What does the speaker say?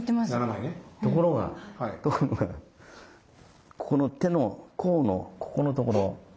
ところがここの手の甲のここのところ。